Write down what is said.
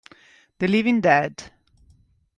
The Living Dead